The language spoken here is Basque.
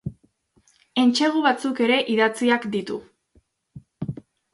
Entsegu batzuk ere idatziak ditu.